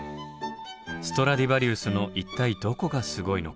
ストラディバリウスの一体どこがすごいのか。